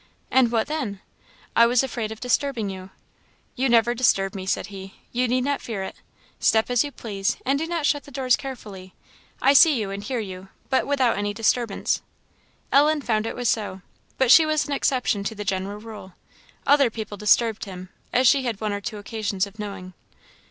"And what then?" "I was afraid of disturbing you." "You never disturb me," said he; "you need not fear it. Step as you please, and do not shut the doors carefully. I see you and hear you; but without any disturbance." Ellen found it was so. But she was an exception to the general rule; other people disturbed him, as she had one or two occasions of knowing.